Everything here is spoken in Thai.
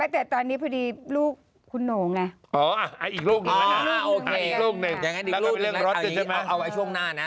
แต่ตอนนี้พอดีลูกคุณหนูไงอีกลูกหนึ่งอีกลูกหนึ่งเอาไว้ช่วงหน้านะ